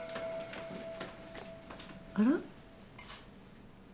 あら。